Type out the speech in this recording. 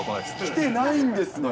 きてないんですね。